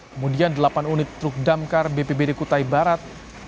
kemudian delapan unit truk damkar bpbd kutai barat